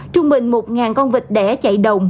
trung bình một con vịt đẻ chạy đồng